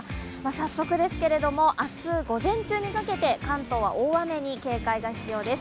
早速ですが、明日、午前中にかけて関東は大雨に警戒が必要です。